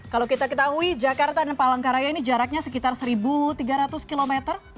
kalau kita ketahui jakarta dan palangkaraya ini jaraknya sekitar satu tiga ratus km